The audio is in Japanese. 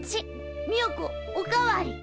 みよ子おかわり。